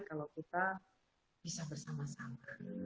kalau kita bisa bersama sama